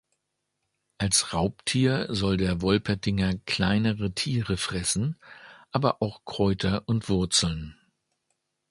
Als Raubtier soll der Wolpertinger kleinere Tiere fressen, aber auch Kräuter und Wurzeln.